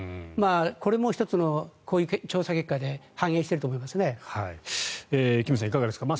これも１つのこういう調査結果で金さん、いかがですか。